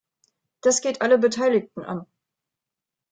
Das geht alle Beteiligten an.